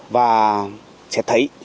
và sẽ thấy